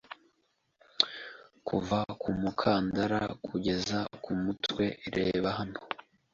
Kuva ku mukandara kugeza ku mutwe reba hano